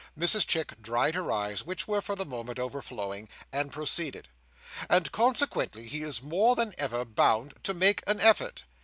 Mrs Chick dried her eyes, which were, for the moment, overflowing; and proceeded: "And consequently he is more than ever bound to make an effort.